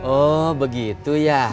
oh begitu ya